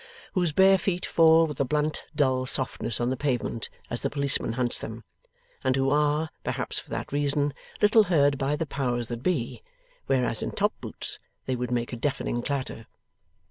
whose bare feet fall with a blunt dull softness on the pavement as the policeman hunts them, and who are (perhaps for that reason) little heard by the Powers that be, whereas in top boots they would make a deafening clatter.